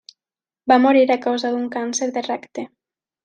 Va morir a causa d'un càncer de recte.